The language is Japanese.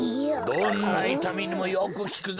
どんないたみにもよくきくぞ。